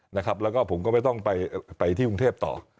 แล้วก็ผมก็ไม่ต้องไปที่กรุงเทพต่อ